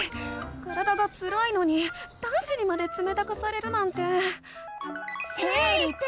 体がつらいのに男子にまでつめたくされるなんて。